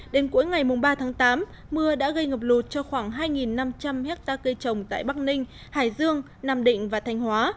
đến cuối ngày ba tháng tám mưa đã gây ngập lụt cho khoảng hai năm trăm linh hectare cây trồng tại bắc ninh hải dương nam định và thanh hóa